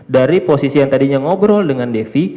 dari posisi yang tadinya ngobrol dengan devi